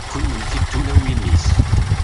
kunemti d tulawin-is